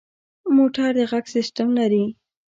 موټر د غږ سیسټم لري.